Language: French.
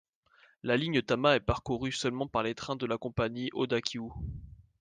La ligne Tama est parcourue seulement par des trains de la compagnie Odakyū.